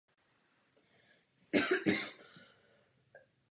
Katastrální území mají silnou samostatnost.